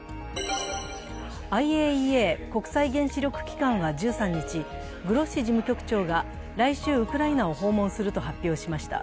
ＩＡＥＡ＝国際原子力機関は１３日、グロッシ事務局長が来週、ウクライナを訪問すると発表しました。